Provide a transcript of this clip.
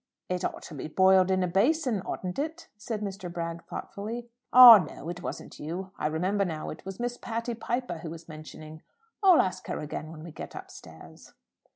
"It ought to be boiled in a basin, oughtn't it?" said Mr. Bragg thoughtfully. "Ah, no; it wasn't you. I remember now, it was Miss Patty Piper who was mentioning I'll ask her again when we get upstairs."